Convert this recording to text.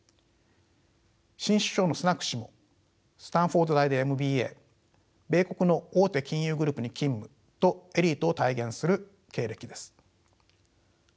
新首相のスナク氏もスタンフォード大でＭＢＡ米国の大手金融グループに勤務とエリートを体現する経歴です。